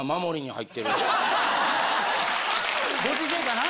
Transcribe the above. ご時世かな？